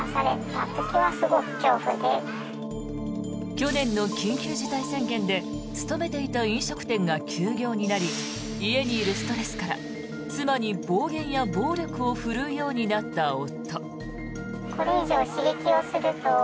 去年の緊急事態宣言で勤めていた飲食店が休業になり家にいるストレスから妻に暴言や暴力を振るうようになった夫。